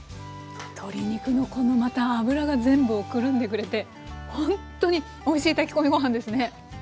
鶏肉のこのまた脂が全部をくるんでくれてほんとにおいしい炊き込みご飯ですね！